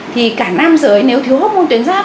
thì cả nam giới nếu thiếu hormôn tuyến giáp